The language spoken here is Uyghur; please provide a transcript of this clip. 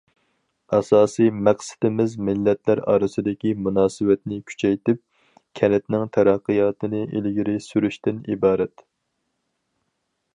ئاساسىي مەقسىتىمىز مىللەتلەر ئارىسىدىكى مۇناسىۋەتنى كۈچەيتىپ، كەنتنىڭ تەرەققىياتىنى ئىلگىرى سۈرۈشتىن ئىبارەت.